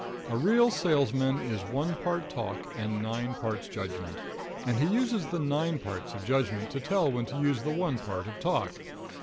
A real salesman is one part talk and nine parts judgment; and he uses the nine parts of judgment to tell when to use the one part of talk.